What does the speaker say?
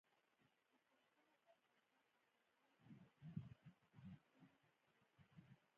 د توسا او اکي قلمرونو مشران ملګري کړي وو.